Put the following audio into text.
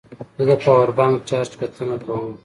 زه د پاور بانک چارج کتنه کوم.